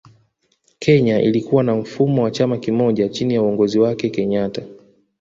Kenya ilikuwa na mfumo wa chama kimoja chini ya uongozi wake kenyatta